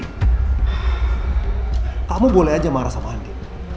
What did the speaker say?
kamu boleh aja marah sama andi